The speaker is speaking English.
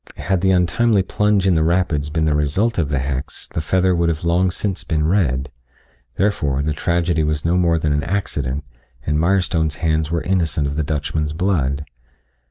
Had the untimely plunge in the rapids been the result of the hex the feather would have long since been red, therefore, the tragedy was no more than an accident and Mirestone's hands were innocent of the Dutchman's blood.